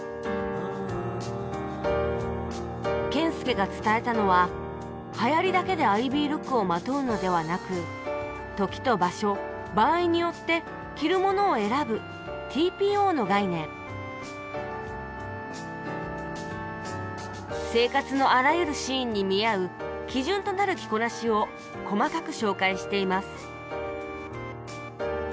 謙介が伝えたのははやりだけでアイビールックをまとうのではなく時と場所場合によって着るものを選ぶＴＰＯの概念生活のあらゆるシーンに見合う基準となる着こなしを細かく紹介しています